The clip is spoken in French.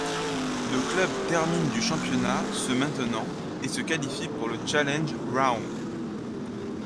Le club termine du championnat, se maintenant et se qualifiant pour le Challenge Round.